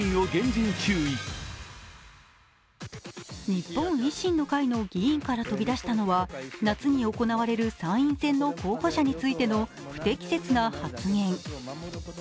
日本維新の会の議員から飛び出したのは夏に行われる参院選の候補者についての不適切な発言。